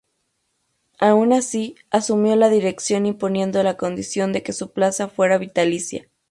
Aun así, asumió la dirección imponiendo la condición de que su plaza fuera vitalicia.